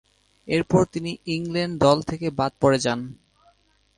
এরপর তিনি ইংল্যান্ড দল থেকে বাদ পড়ে যান।